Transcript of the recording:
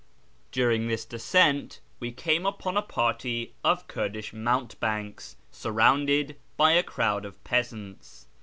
During this descent we came upon a party of Kurdish mountebanks, surrounded by a crowd of peasants.